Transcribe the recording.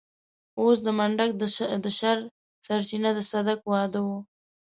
اوس د منډک د شر سرچينه د صدک واده و.